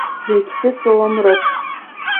Зегьы сысалам рыҭ.